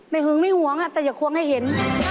เหง้วงไม่เหง้วงตัวแต่อย่าขวงให้เห็น